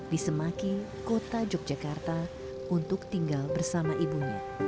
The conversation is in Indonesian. di semaki kota yogyakarta untuk tinggal bersama ibunya